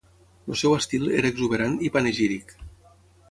El seu estil era exuberant i panegíric.